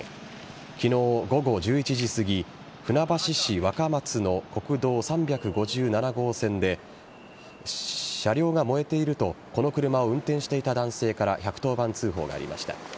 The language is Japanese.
昨日午後１１時すぎ船橋市若松の国道３５７号線で車両が燃えているとこの車を運転していた男性から１１０番通報がありました。